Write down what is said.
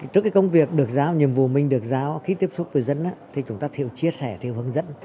trước công việc được giáo nhiệm vụ mình được giáo khi tiếp xúc với dân chúng ta thiệu chia sẻ thiệu hướng dẫn